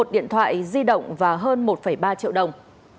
một điện thoại di động và hơn một ba triệu đồng